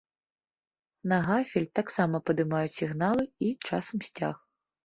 На гафель таксама падымаюць сігналы і часам сцяг.